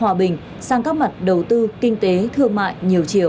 tình hình sang các mặt đầu tư kinh tế thương mại nhiều chiều